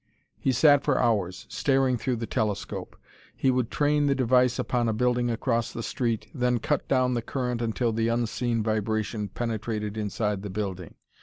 He sat for hours, staring through the telescope. He would train the device upon a building across the street, then cut down the current until the unseen vibration penetrated inside the building.